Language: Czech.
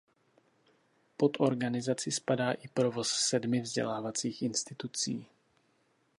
Pod organizaci spadá i provoz sedmi vzdělávacích institucí.